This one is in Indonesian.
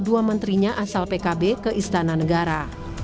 dua menterinya asal pkb ke istana negara